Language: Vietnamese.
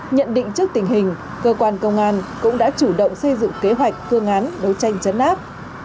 nhận định trước tình hình cơ quan công an cũng đã chủ động xây dựng kế hoạch phương án đấu tranh chấn áp